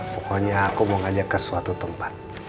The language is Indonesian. pokoknya aku mau ngajak ke suatu tempat